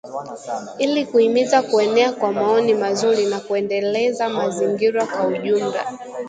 Ili kuhimiza kuenea kwa maoni mazuri na kuendeleza mazingira kwa ujumla.